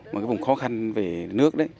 một cái vùng khó khăn về nước đấy